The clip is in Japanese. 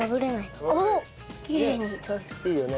いいよね。